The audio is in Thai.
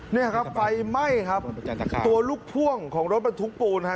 นี่ครับไฟไหม้ครับตัวลูกพ่วงของรถบรรทุกปูนฮะ